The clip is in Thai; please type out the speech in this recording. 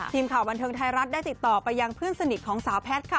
ทีมข่าวบันเทิงไทยรัฐได้ติดต่อไปยังเพื่อนสนิทของสาวแพทย์ค่ะ